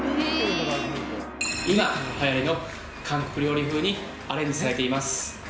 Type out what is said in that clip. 今はやりの韓国料理風にアレンジされています。